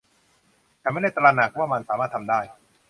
ฉันไม่ได้ตระหนักว่ามันสามารถทำได้